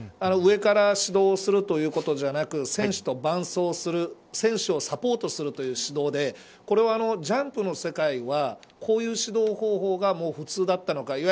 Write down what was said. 上から指導するということじゃなく選手と伴走する選手をサポートするという指導でこれは、ジャンプの世界はこういう指導方法がもう普通だったのか。